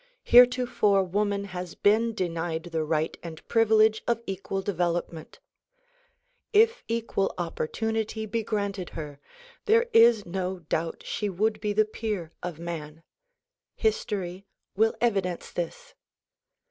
Heretofore woman has been denied the right and privilege of equal development. If DISCOURSES DELIVERED IN NEW YORK 131 equal opportunity be granted her there is no doubt she would be the peer of man. History will evidence this.